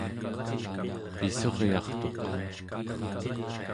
pissuryartuq